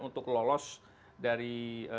untuk lolos dari